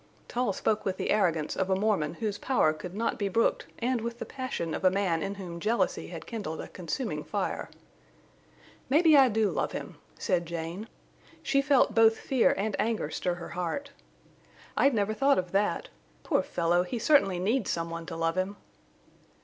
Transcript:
Tull spoke with the arrogance of a Mormon whose power could not be brooked and with the passion of a man in whom jealousy had kindled a consuming fire. "Maybe I do love him," said Jane. She felt both fear and anger stir her heart. "I'd never thought of that. Poor fellow! he certainly needs some one to love him."